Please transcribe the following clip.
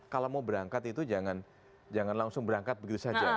kalau mau berangkat itu jangan langsung berangkat begitu saja